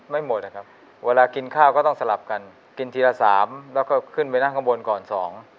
ไม่หมดนะครับเวลากินข้าวก็ต้องสลับกันกินทีละสามแล้วก็ขึ้นไปนั่งข้างบนก่อนสอง